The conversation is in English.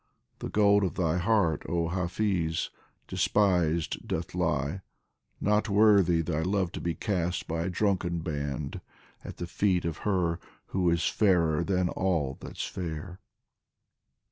The gold of thy heart, oh Hafiz, despised doth lie, Not worthy thy love to be cast by a drunken band At the feet of her who is fairer than all that's fair.